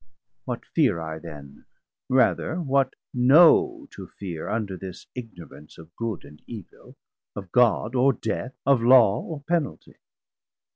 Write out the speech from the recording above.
What fear I then, rather what know to feare Under this ignorance of Good and Evil, Of God or Death, of Law or Penaltie?